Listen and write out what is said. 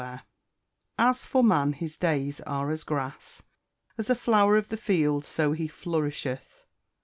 [Verse: "As for man his days are as grass; as a flower of the field so he flourisheth."